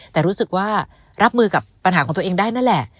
แต่รู้สึกว่ารับมือกับปัญหาของตัวเองได้นั่นแหละ